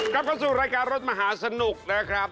กลับเข้าสู่รายการรถมหาสนุกนะครับ